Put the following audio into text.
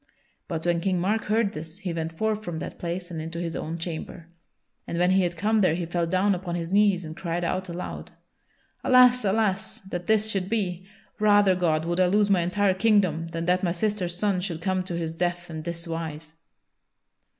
But when King Mark heard this he went forth from that place and into his own chamber. And when he had come there he fell down upon his knees and cried out aloud: "Alas, alas, that this should be! Rather, God, would I lose my entire kingdom than that my sister's son should come to his death in this wise!"